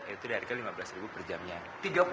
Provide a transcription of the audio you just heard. itu harganya rp lima belas per jamnya